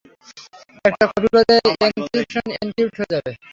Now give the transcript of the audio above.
এটা কপি করলে, encryption encrypt হয়ে যাবে।